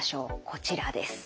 こちらです。